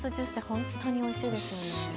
本当においしいですよね。